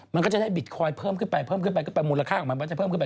มันก็จะให้บิตคอยน์เพิ่มขึ้นไปเพิ่มขึ้นไปมูลค่ากำลังจะจะเพิ่มขึ้นมา